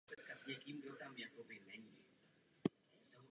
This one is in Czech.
Role agentury Frontex by měla být posílena.